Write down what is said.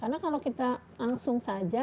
karena kalau kita langsung saja